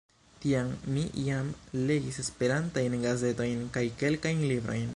Tiam ni jam legis Esperantajn gazetojn kaj kelkajn librojn.